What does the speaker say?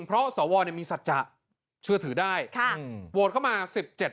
เพราะสวเนี้ยมีสัจจะเชื่อถือได้ค่ะโวดเข้ามาสิบเจ็ด